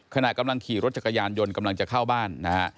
ขณะกำลังขี่รถจักรยานยนต์กำลังจะเข้าบ้านนะฮะ